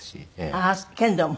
ああー剣道も。